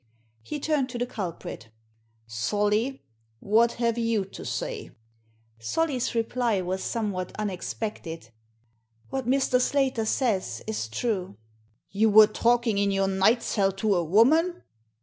He turned to the culprit " Solly, what have you to say ?" Solly's reply was somewhat unexpected. "What Mr. Slater says is true." "You were talking in your night cell to a woman